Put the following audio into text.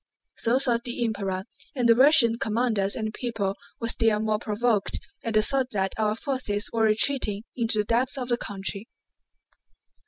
So thought the Emperor, and the Russian commanders and people were still more provoked at the thought that our forces were retreating into the depths of the country.